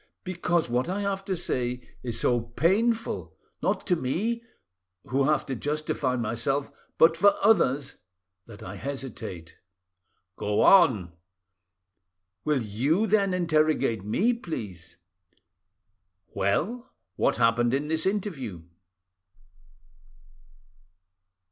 "Because what I have to say is so painful—not to me, who have to justify myself, but for others, that I hesitate." "Go on." "Will you then interrogate me, please?" "Well, what happened in this interview?"